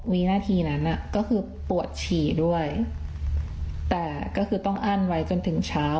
วินาทีนั้นก็คือปวดฉี่ด้วยแต่ก็คือต้องอั้นไว้จนถึงเช้า